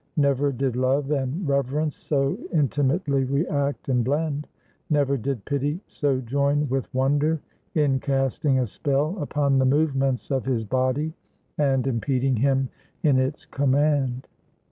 Never did love and reverence so intimately react and blend; never did pity so join with wonder in casting a spell upon the movements of his body, and impeding him in its command.